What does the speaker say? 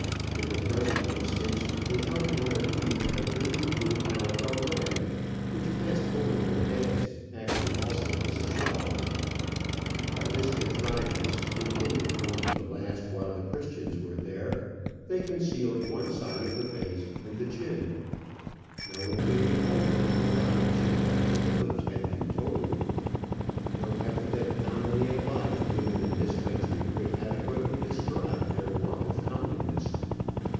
In the present instance, they held in their teeth a dirty blue calico rag, which passed over their heads, acting also as a shawl. By this contrivance, intended only to last while the Christians were there, they concealed one side of the face and the chin. No one could behold them without wishing that the eclipse had been total. No epithet commonly applied to women in this country could adequately describe their want of comeliness.